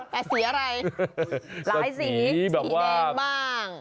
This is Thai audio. แต่สีอะไรหลายสีสีแดงบ้างเขียวบ้าง